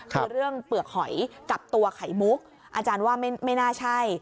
คือเรื่องเปลือกหอยกับตัวไขมุกอาจารย์ว่าไม่น่าใช่